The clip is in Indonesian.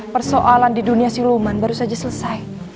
persoalan di dunia siluman baru saja selesai